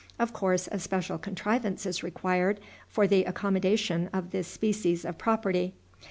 Of course, a special contrivance is required for the accommodation of this species of property.